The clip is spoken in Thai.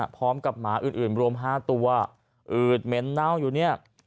พร้อมกับหมาอื่นรวม๕ตัวอืดเม้นต์เน่าอยู่นี่